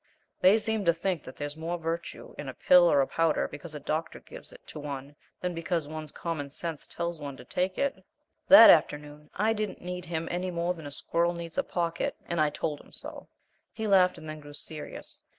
They seem to think that there's more virtue in a pill or a powder because a doctor gives it to one than because one's common sense tells one to take it. That afternoon I didn't need him any more than a squirrel needs a pocket, and I told him so. He laughed, and then grew serious.